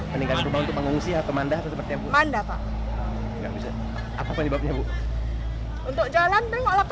meninggal rumah untuk pengungsi atau mandah seperti apa apa apa apa nyebabnya untuk jalan